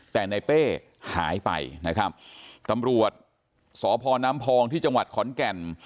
แต่ในเป้หายไปนะครับตำรวจสพน้ำพองที่จังหวัดขอนแก่น